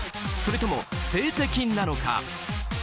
それとも性的なのか？